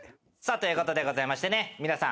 ということでございまして皆さん。